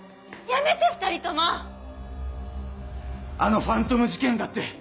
やめて２人とも！あのファントム事件だって！